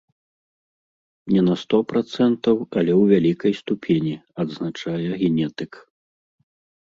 Не на сто працэнтаў, але ў вялікай ступені, адзначае генетык.